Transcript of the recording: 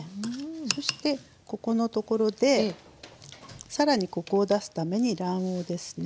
そしてここのところでさらにコクを出すために卵黄ですね。